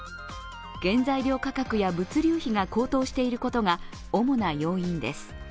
原材料価格や物流費が高騰していることが主な要因です。